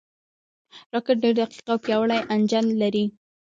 راکټ ډېر دقیق او پیاوړی انجن لري